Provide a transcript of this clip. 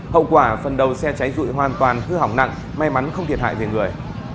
hậu quả phần đầu xe cháy dụi hoàn toàn hư hỏng nặng may mắn không thiệt hại về người